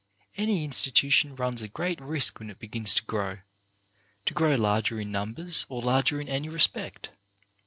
Any institution runs a great risk when it begins to grow — to grow larger in numbers or larger in any respect.